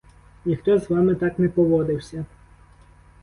Ніхто з вами так не поводився.